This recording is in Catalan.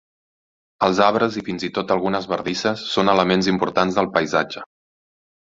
Els arbres i, fins i tot, algunes bardisses són elements importants del paisatge.